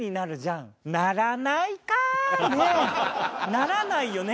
ならないよね